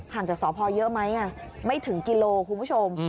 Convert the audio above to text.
ห่างจากสอพอล์เยอะไหมไม่ถึงกิโลคุณผู้ชม